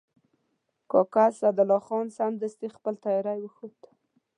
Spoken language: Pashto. کاکا اسدالله خان سمدستي خپل تیاری وښود.